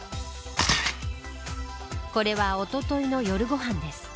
これはおとといの夜ご飯です。